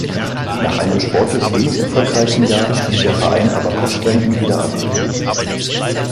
Nach einem sportlich wenig erfolgreichen Jahr stieg der Verein aber postwendend wieder ab.